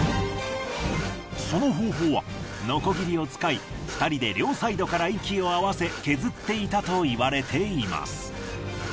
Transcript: その方法はノコギリを使い２人で両サイドから息を合わせ削っていたと言われています。